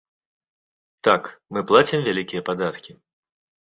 Так, мы плацім вялікія падаткі.